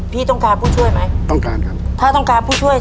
พี่ต้องการผู้ช่วยไหมต้องการครับถ้าต้องการผู้ช่วย